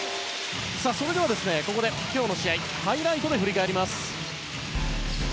それではここで今日の試合をハイライトで振り返ります。